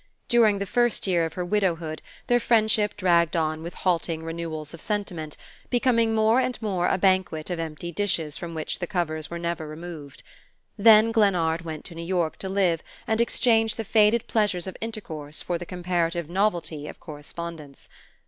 During the first year of her widowhood their friendship dragged on with halting renewals of sentiment, becoming more and more a banquet of empty dishes from which the covers were never removed; then Glennard went to New York to live and exchanged the faded pleasures of intercourse for the comparative novelty of correspondence.